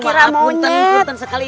ibu maaf buntan sekali